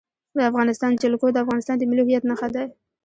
د افغانستان جلکو د افغانستان د ملي هویت نښه ده.